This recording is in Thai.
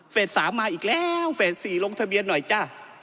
๓มาอีกแล้วเฟส๔ลงทะเบียนหน่อยจ้ะ